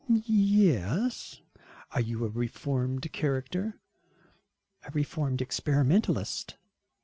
"Yes." "Are you a reformed character?" "A reformed experimentalist."